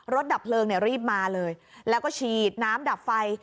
ดับเพลิงเนี่ยรีบมาเลยแล้วก็ฉีดน้ำดับไฟ